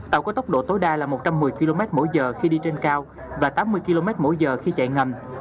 tàu có tốc độ tối đa là một trăm một mươi km mỗi giờ khi đi trên cao và tám mươi km mỗi giờ khi chạy ngành